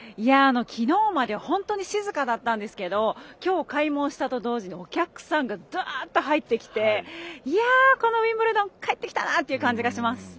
昨日まで本当に静かだったんですけど今日開門したと同時にお客さんがだーっと入ってきていやー、このウィンブルドン帰ってきたなって感じがします。